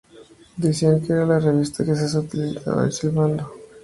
Decían que era la revista que se solicitaba silbando.